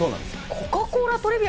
コカ・コーラトリビア